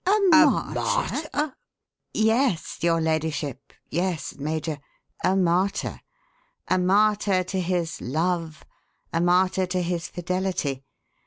"A martyr?" "Yes, your ladyship; yes, Major a martyr. A martyr to his love, a martyr to his fidelity.